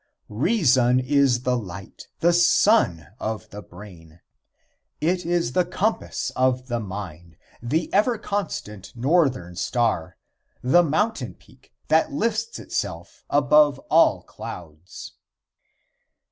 Reason is the light, the sun, of the brain. It is the compass of the mind, the ever constant Northern Star, the mountain peak that lifts itself above all clouds.